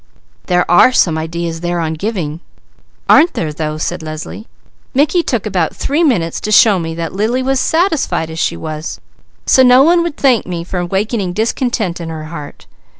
"There are some ideas there on giving!" "Aren't there though!" said Leslie. "Mickey took about three minutes to show me that Lily was satisfied as she was, so no one would thank me for awakening discontent in her heart.